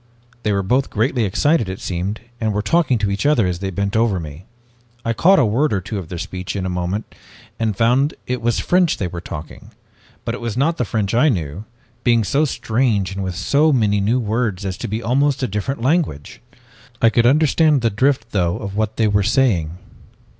"They were both greatly excited, it seemed, and were talking to each other as they bent over me. I caught a word or two of their speech in a moment, and found it was French they were talking. But it was not the French I knew, being so strange and with so many new words as to be almost a different language. I could understand the drift, though, of what they were saying.